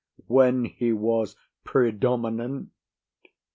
When he was predominant.